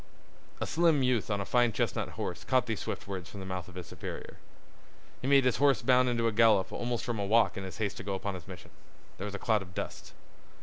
A slim youth on a fine chestnut horse caught these swift words from the mouth of his superior. He made his horse bound into a gallop almost from a walk in his haste to go upon his mission. There was a cloud of dust.